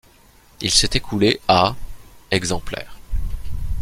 Il s'est écoulé à exemplaires.